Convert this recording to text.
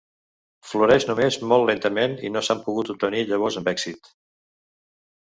Floreix només molt lentament i no s'han pogut obtenir llavors amb èxit.